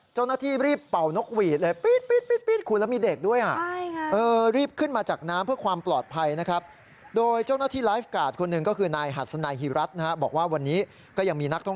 เจ้าหน้าที่รีบเป่านกหวีดเลยปี๊ดคุณแล้วมีเด็กด้วย